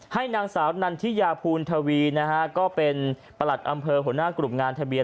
นางสาวนันทิยาภูณทวีนะฮะก็เป็นประหลัดอำเภอหัวหน้ากลุ่มงานทะเบียน